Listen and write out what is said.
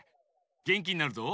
げんきになるぞ。